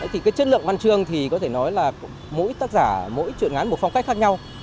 thì cái chất lượng văn chương thì có thể nói là mỗi tác giả mỗi chuyện ngắn một phong cách khác nhau